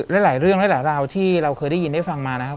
หลายเรื่องหลายราวที่เราเคยได้ยินได้ฟังมานะครับ